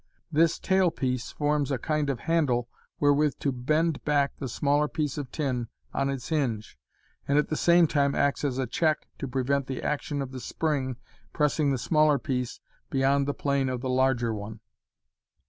This tail piece forms a kind of handle wherewith to bend back the smaller piece of tin on its hinge, and at the same time acts as a check to prevent the action of the spring pressing the smaller piece beyond the plane of the larger one.